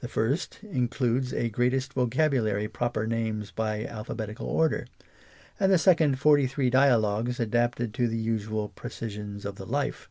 The first in eludes a greatest vocabulary proper names by alphabetical order ; and the second forty three Dialogues adapted to the usual pre cisions of the life.